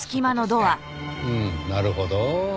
うんなるほど。